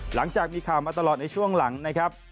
หลังจากมีข่าวมาตลอดในช่วงหลังนะครับ